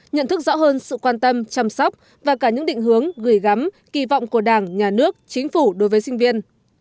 nhận thức rõ hơn sự quan tâm chăm sóc và cả những định hướng gửi gắm kỳ vọng của đảng nhà nước chính phủ đối với sinh viên